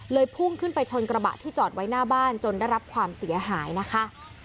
พุ่งขึ้นไปชนกระบะที่จอดไว้หน้าบ้านจนได้รับความเสียหายนะคะ